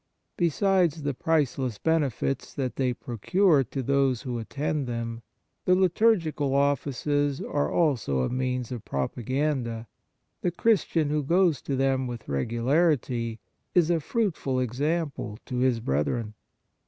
Besides the priceless benefits that they procure to those who attend them, the liturgical offices are also a means of propaganda. The Christian who goes to them with regularity is a fruitful example to his brethren.